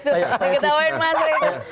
saya ketawain mas rezul